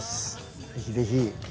ぜひぜひ。